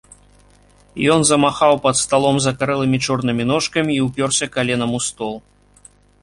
Ён замахаў пад сталом закарэлымі чорнымі ножкамі і ўпёрся каленам у стол.